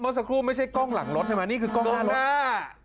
สักครู่ไม่ใช่กล้องหลังรถใช่ไหมนี่คือกล้องหน้า